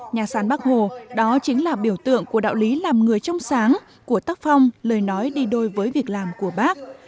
nhà sán bắc hồ đó chính là biểu tượng của đạo lý làm người trong sáng của tắc phong lời nói đi đôi với việc làm của bắc